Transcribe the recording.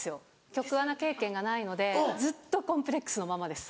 局アナ経験がないのでずっとコンプレックスのままです。